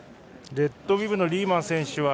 レッドビブのリーマン選手